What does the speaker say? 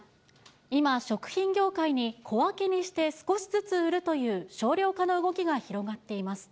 今、食品業界に、小分けにして少しずつ売るという少量化の動きが広がっています。